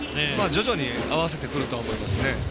徐々に合わせてくると思いますね。